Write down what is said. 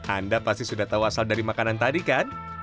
anda pasti sudah tahu asal dari makanan tadi kan